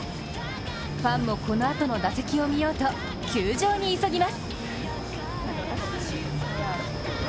ファンもこのあとの打席を見ようと球場に急ぎます。